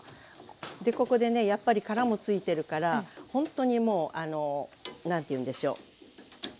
ここでねやっぱり殻も付いてるからほんとにもうあの何ていうんでしょう